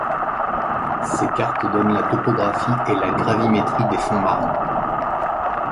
Ces cartes donnent la topographie et la gravimétrie des fonds marins.